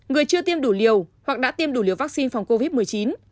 người chưa tiêm đủ liều hoặc đã tiêm đủ liều vaccine phòng covid một mươi chín